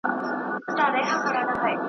او نور به پرته له ګدايۍ کولو .